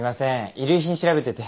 遺留品調べてて。